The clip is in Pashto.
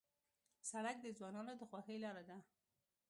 سړک د ځوانانو د خوښۍ لاره ده.